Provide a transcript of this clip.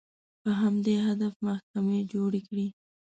په همدې هدف محکمې جوړې کړې